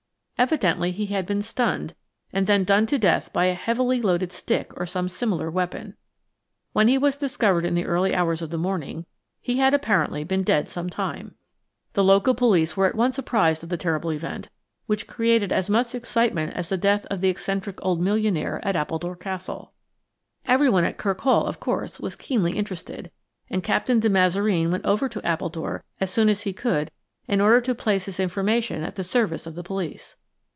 Evidently he had been stunned, and then done to death by a heavily loaded stick or some similar weapon. When he was discovered in the early hours of the morning, he had, apparently, been dead some time. The local police were at once apprised of the terrible event, which created as much excitement as the death of the eccentric old millionaire at Appledore Castle. Everyone at Kirk Hall, of course, was keenly interested, and Captain de Mazareen went over to Appledore as soon as he could in order to place his information at the service of the police.